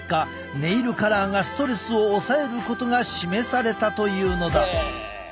ネイルカラーがストレスを抑えることが示されたというのだ。